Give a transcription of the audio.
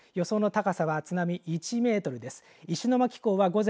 予想の高さは津波１メートルです。